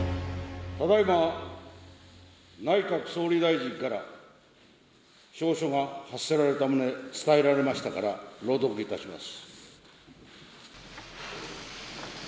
ただいま、内閣総理大臣から詔書が発せられた旨、伝えられましたから、朗読いたします。